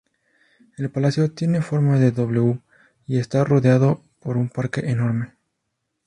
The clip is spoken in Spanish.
El palacio tiene forma de doble U, y está rodeado por un parque enorme.